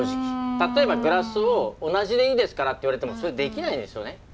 例えばグラスを同じでいいですからって言われてもそれはできないですよね。